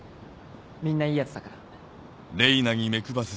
みんないい奴だから。